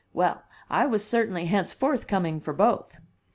Well, I was certainly henceforth coming for both!